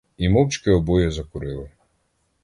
І мовчки обоє закурили.